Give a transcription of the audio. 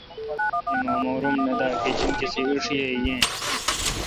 ایمامور ام نہ دہ۔ گجین کسے ایݭی یہ۔